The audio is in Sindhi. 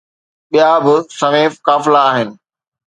ٻيا به سوين قافلا آهن